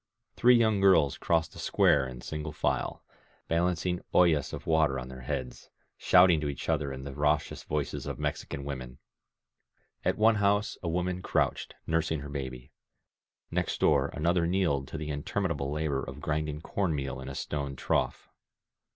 Three young girls crossed the square in single file, balancing oIUm of water on their heads, shouting to each other in the raucous voices of Mexican women. At one house a woman crouched, nursing her baby; next door another kneeled to the interminable labor of I grinding corn meal in a stone trough.